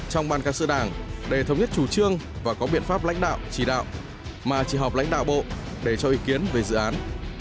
trong ban cán sự đảng để thống nhất chủ trương và có biện pháp lãnh đạo chỉ đạo mà chỉ học lãnh đạo bộ để cho ý kiến về dự án